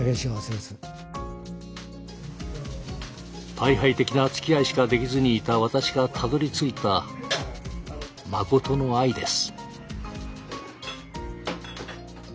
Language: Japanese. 退廃的なつきあいしかできずにいた私がたどりついた誠の愛です。